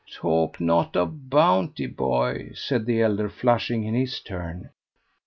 "Talk not of bounty, boy," said the elder, flushing in his turn.